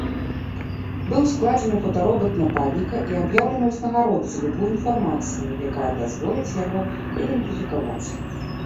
Быў складзены фотаробат нападніка і аб'яўлена ўзнагарода за любую інфармацыю, якая дазволіць яго ідэнтыфікаваць.